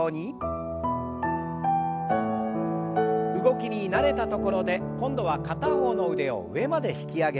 動きに慣れたところで今度は片方の腕を上まで引き上げます。